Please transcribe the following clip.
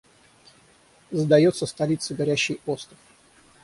Сдается столицы горящий остов.